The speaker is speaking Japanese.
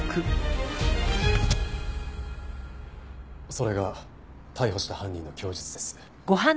それが逮捕した犯人の供述です。